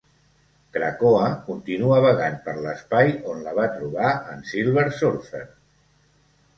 Krakoa continua vagant per l'espai on la va trobar en Silver Surfer.